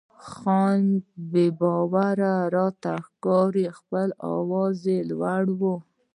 که ځان بې باوره راته ښکاري خپل آواز لوړوم.